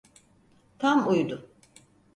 Tam uydu.